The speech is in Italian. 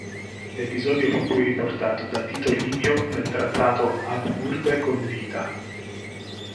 L'episodio fu poi riportato da Tito Livio nel trattato "Ab urbe condita".